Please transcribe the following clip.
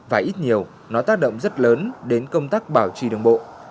và ít nhiều nó tác động rất lớn đến công tác bảo trì đường bộ